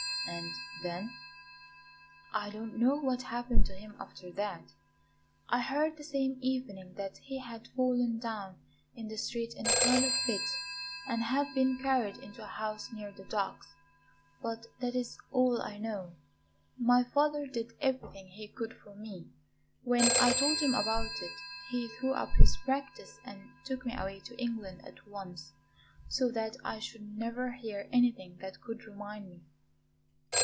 "And then?" "I don't know what happened to him after that; I heard the same evening that he had fallen down in the street in a kind of fit and had been carried into a house near the docks; but that is all I know. My father did everything he could for me; when I told him about it he threw up his practice and took me away to England at once, so that I should never hear anything that could remind me.